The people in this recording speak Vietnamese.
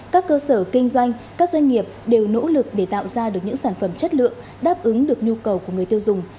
các cơ sở kinh doanh các doanh nghiệp đều nỗ lực để tạo ra được những sản phẩm chất lượng đáp ứng được nhu cầu của người tiêu dùng